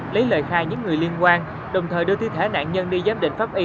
lấy lời khai những người liên quan đồng thời đưa thi thể nạn nhân đi giám định pháp y